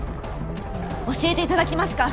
教えていただけますか。